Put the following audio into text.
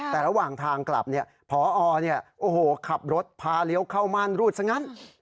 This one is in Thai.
แต่ระหว่างทางกลับพอขับรถพาเลี้ยวเข้าม่านรูดซะงั้น